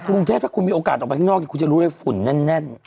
กรุงเทพถ้าคุณมีโอกาสออกไปข้างนอกคุณจะรู้เลยฝุ่นแน่น